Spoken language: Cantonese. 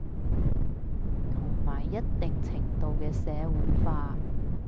同埋一定程度嘅社會化